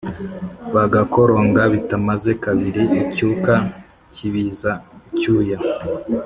bagakoronga Bitamaze kabiri icyuka kibiza icyuya